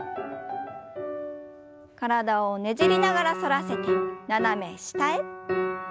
体をねじりながら反らせて斜め下へ。